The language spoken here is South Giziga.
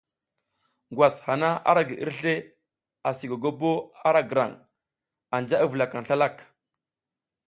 Ngwas hana ara gi irsle asi gogobo ara grang, anja i vulakang slalak.